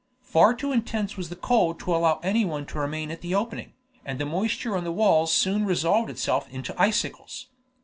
Far too intense was the cold to allow anyone to remain at the opening, and the moisture on the walls soon resolved itself into icicles.